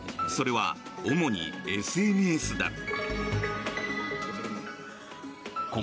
それは主にＳＮＳだ。